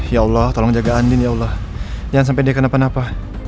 ya allah tolong jaga andin ya allah jangan sampai dia kenapa napa